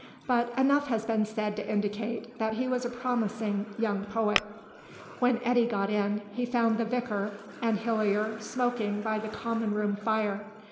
But enough has been said to indicate that he was a promising young poet. When Eddy got in, he found the vicar and Hillier smoking by the common room fire.